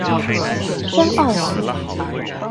深澳線